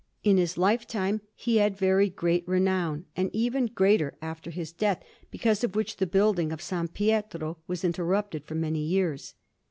In his lifetime he had very great renown, and even greater after his death, because of which the building of S. Pietro was interrupted for many years.